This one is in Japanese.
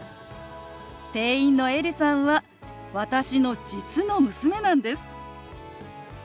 店員のエリさんは私の実の娘なんです。